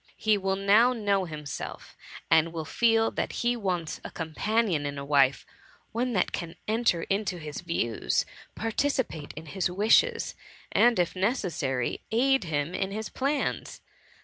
He will now know himself, and will feel that he wants a companion in a wife : one that can enter into his views, participate in his wishes, and if necessary, aid him in his plans.